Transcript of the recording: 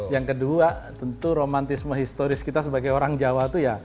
yang kedua tentu romantisme historis kita sebagai orang jawa itu ya